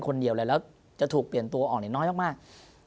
คนเดียวแล้วแล้วจะถูกเปลี่ยนตัวออกในน้อยมากมากแล้วก็